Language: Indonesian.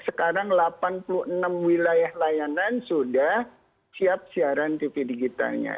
sekarang delapan puluh enam wilayah layanan sudah siap siaran tv digitalnya